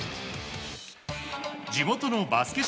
地元のバスケ